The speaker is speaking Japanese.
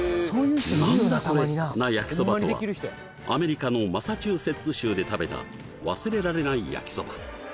な焼きそばとはアメリカのマサチューセッツ州で食べた忘れられない焼きそば